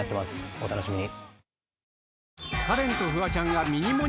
お楽しみに。